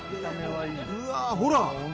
うわぁほら！